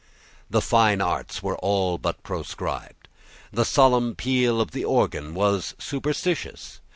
The fine arts were all but proscribed. The solemn peal of the organ was superstitious.